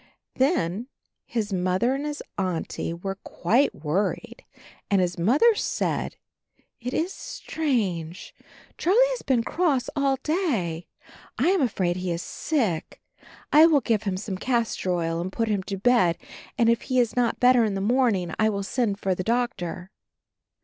Then his Mother and his Auntie were quite worried. And his Mother said, "It is strange. Charlie has been cross all day. I am afraid he is sick; I will give him some castor oil and put him to bed, and if he is not better in the morning I will send for the doctor."